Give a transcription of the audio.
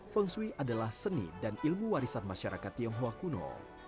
feng shui adalah seni dan ilmu warisan masyarakat tionghoa kuno